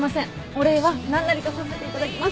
お礼は何なりとさせていただきます。